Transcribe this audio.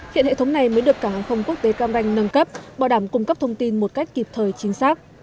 hiện hệ thống này mới được cảng hàng không quốc tế cam ranh nâng cấp bảo đảm cung cấp thông tin một cách kịp thời chính xác